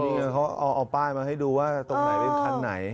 นี่ไงเขาเอาป้ายมาให้ดูว่าตรงไหนเป็นคันไหน